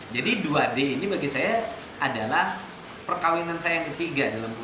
jadi dua d ini bagi saya adalah perkawinan saya yang ketiga dalam politik